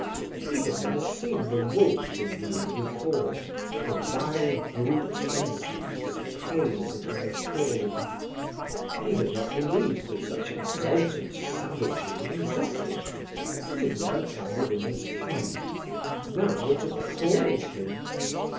He had never seen the wolf in man before; the vile brute instinct that preys upon the fallen. He had not believed that such exultant savagery existed; it had never come within his ken; now it appalled him.